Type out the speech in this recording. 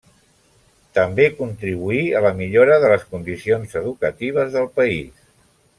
També contribuí a la millora de les condicions educatives del país.